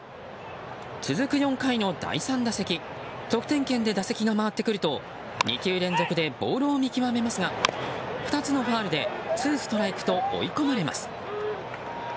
続く４回の第３打席得点圏で打席が回ってくると２球連続でボールを見極めますが２つのファウルでツーストライクと追い込まれます。